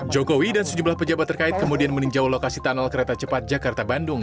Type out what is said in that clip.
jokowi dan sejumlah pejabat terkait kemudian meninjau lokasi tunnel kereta cepat jakarta bandung